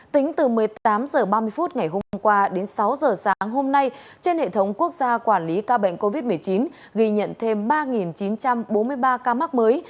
tính từ một mươi tám h ba mươi phút ngày hôm qua đến sáu h sáng hôm nay trên hệ thống quốc gia quản lý ca bệnh covid một mươi chín ghi nhận thêm ba chín trăm bốn mươi ba ca mắc mới